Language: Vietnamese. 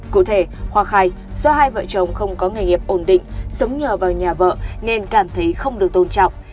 cụ thể khoa khai do hai vợ chồng không có nghề nghiệp ổn định sống nhờ vào nhà vợ nên cảm thấy không được tôn trọng